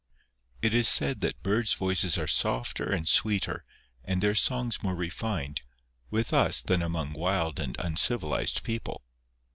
... It is said that birds' voices are softer and sweeter, and their songs more refined, with us than among wild and uncivilised people.